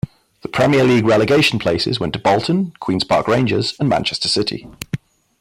The Premier League relegation places went to Bolton, Queens Park Rangers and Manchester City.